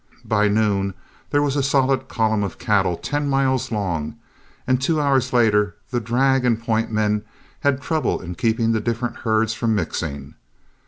By noon there was a solid column of cattle ten miles long, and two hours later the drag and point men had trouble in keeping the different herds from mixing.